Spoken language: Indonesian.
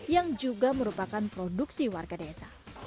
yang juga merupakan produksi warga desa